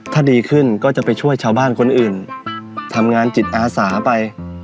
ถ้าดีขึ้นก็จะไปช่วยชาวบ้านคนอื่นทำงานจิตอาสาไป